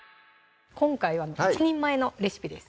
今回は１人前のレシピです